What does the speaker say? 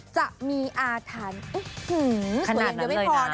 จะมีอาถารณ์ขนาดนั้นเลยนะ